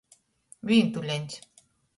Vīntuleņs.